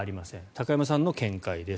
高山さんの見解です。